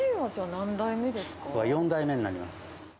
僕は４代目になります。